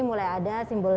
mulai ada simbol